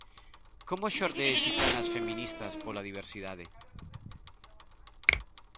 Como xorde Xitanas feministas pola diversidade?